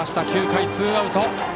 ９回、ツーアウト。